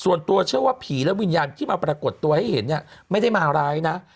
ส่วนตัวเชื่อว่าผีและวิญญาณที่มาปรากฏตัวให้เห็นเนี่ยไม่ได้มาร้ายนะ